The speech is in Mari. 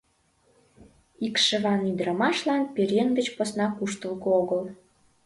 Икшыван ӱдрамашлан пӧръеҥ деч посна куштылго огыл.